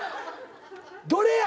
どれや！？